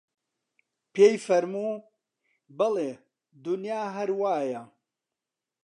پێی فەرموو: بەڵێ دونیا هەر وایە